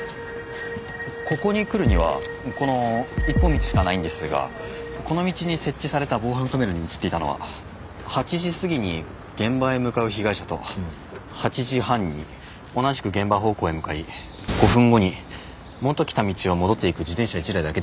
ここに来るにはこの一本道しかないんですがこの道に設置された防犯カメラに映っていたのは８時過ぎに現場へ向かう被害者と８時半に同じく現場方向へ向かい５分後に元来た道を戻っていく自転車１台だけでした。